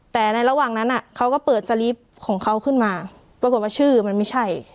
แต่ในระหว่างนั้นเขาก็เปิดสลิปของเขาขึ้นมาปรากฏว่าชื่อมันไม่ใช่